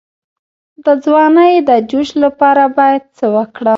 د ځوانۍ د جوش لپاره باید څه وکړم؟